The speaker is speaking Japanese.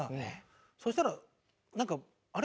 そしたらなんかあれ？